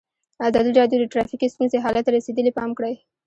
ازادي راډیو د ټرافیکي ستونزې حالت ته رسېدلي پام کړی.